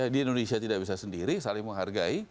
di indonesia tidak bisa sendiri saling menghargai